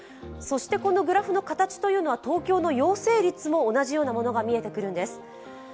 このグラフの形は東京の陽性率も同じようなものが見えてくるんです。